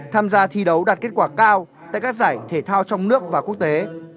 tham gia thi đấu đạt kết quả cao tại các giải thể thao trong nước và quốc tế